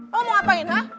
lo mau ngapain hah